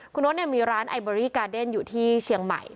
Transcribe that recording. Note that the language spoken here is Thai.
คุณโน๊ตมีร้านไอเบอรี่กาเดนอยู่ที่เชียงใหม่